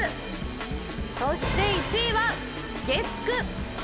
そして１位は月９。